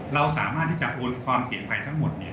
เราสามารถที่จะโอนความเสี่ยงไปทั้งหมด